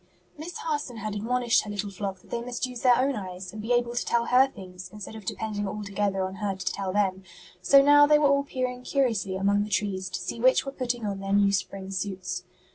_ Miss Harson had admonished her little flock that they must use their own eyes and be able to tell her things instead of depending altogether on her to tell them; so now they were all peering curiously among the trees to see which were putting on their new spring suits.